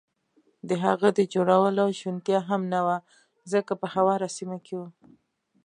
د هغه د جوړولو شونتیا هم نه وه، ځکه په هواره سیمه کې و.